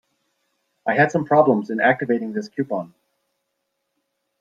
I had some problems in activating this coupon.